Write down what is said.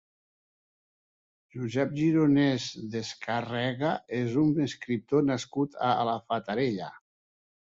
Josep Gironès Descarrega és un escriptor nascut a la Fatarella.